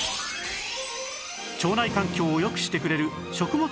腸内環境を良くしてくれる食物